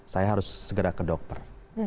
saya harus segera ke dokter